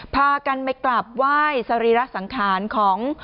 พากันไปกลับไหว้สรีระสังขารของ